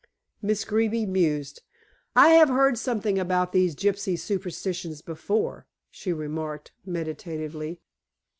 Miss Greeby mused. "I have heard something about these gypsy superstitions before," she remarked meditatively.